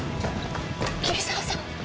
桐沢さん。